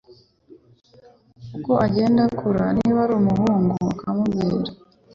uko agenda akura niba ari umuhungu akamubwira